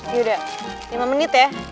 yaudah lima menit ya